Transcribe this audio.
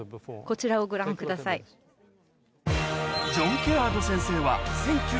こちらをご覧ください。